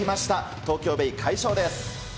東京ベイ、快勝です。